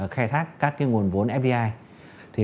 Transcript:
khai thác các nguồn vốn fdi